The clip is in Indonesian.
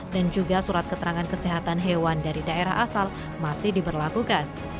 dan juga surat keterangan kesehatan hewan dari daerah asal masih diberlakukan